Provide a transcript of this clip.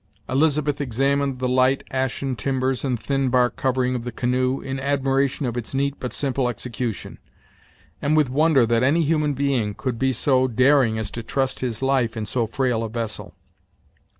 Elizabeth examined the light ashen timbers and thin bark covering of the canoe, in admiration of its neat but simple execution, and with wonder that any human being could be so daring as to trust his life in so frail a vessel.